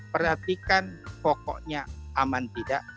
perhatikan pokoknya aman tidak